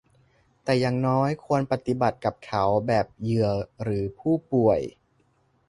แต่อย่างน้อยควรปฏิบัติกับเขาแบบเหยื่อหรือผู้ป่วย